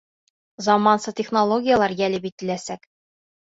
Заманса технологиялар йәлеп ителәсәк.